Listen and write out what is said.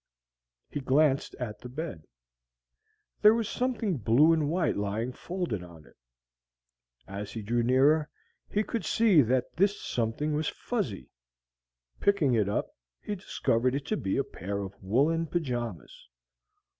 He glanced at the bed. There was something blue and white lying folded on it. As he drew nearer, he could see that this something was fuzzy. Picking it up, he discovered it to be a pair of woolen pajamas.